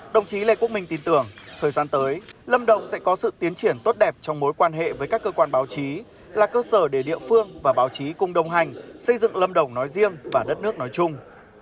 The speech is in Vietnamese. đồng chí lê quốc minh tin tưởng thời gian tới lâm đồng sẽ có sự tiến triển tốt đẹp trong mối quan hệ với các cơ quan báo chí là cơ sở để địa phương và báo chí cùng đồng hành xây dựng lâm đồng nói riêng và đất nước nói chung